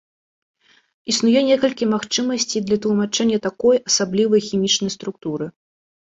Існуе некалькі магчымасцей для тлумачэння такой асаблівай хімічнай структуры.